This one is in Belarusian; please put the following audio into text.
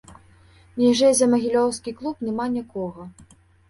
Ніжэй за магілёўскі клуб няма нікога.